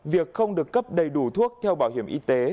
việc không được cấp đầy đủ thuốc theo bảo hiểm y tế